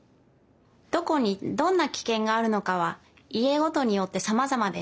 どこにどんなキケンがあるのかは家ごとによってさまざまです。